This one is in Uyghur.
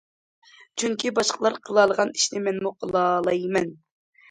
چۈنكى باشقىلار قىلالىغان ئىشنى مەنمۇ قىلالايمەن.